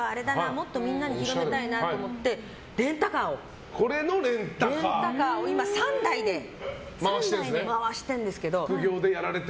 もっとみんなに広めたいなと思ってレンタカーを今、３台で回してるんですけど。